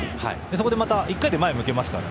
そこでまた１回で前を向けますから。